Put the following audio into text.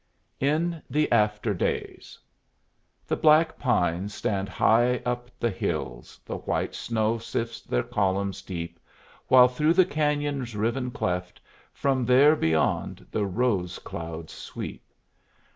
IN THE AFTER DAYS The black pines stand high up the hills, The white snow sifts their columns deep, While through the canyon's riven cleft From there, beyond, the rose clouds sweep.